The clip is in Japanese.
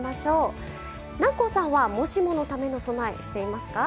南光さんはもしものための備えしていますか？